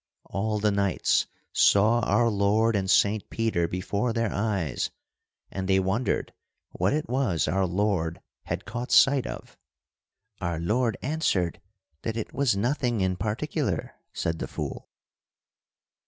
All the knights saw our Lord and Saint Peter before their eyes, and they wondered what it was our Lord had caught sight of. "Our Lord answered that it was nothing in particular," said the fool.